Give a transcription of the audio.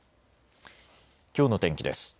きょうの天気です。